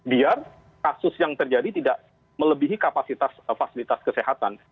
biar kasus yang terjadi tidak melebihi kapasitas fasilitas kesehatan